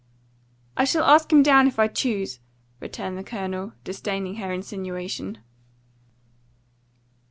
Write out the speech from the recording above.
"I shall ask him down if I choose!" returned the Colonel, disdaining her insinuation.